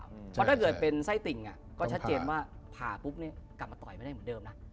เพราะถ้าเกิดเป็นไส้ติ่งก็ชัดเจนว่าผ่าปุ๊บกลับมาต่อยไม่ได้เหมือนเดิมนะ